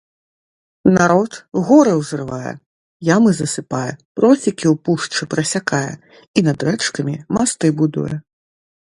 Народ горы ўзрывае, ямы засыпае, просекі ў пушчы прасякае і над рэчкамі масты будуе.